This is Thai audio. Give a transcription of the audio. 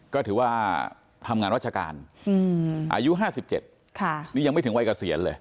ก็ถือว่าทำงานราชการอายุ๕๗นี่ยังไม่ถึงวัยเกษียณเลย